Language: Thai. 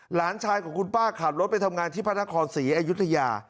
หลานชายของคุณป้าขับรถไปทำงานที่พระนครศรีอยุธยา